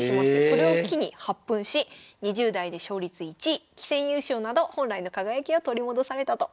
それを機に発奮し２０代で勝率１位棋戦優勝など本来の輝きを取り戻されたということです。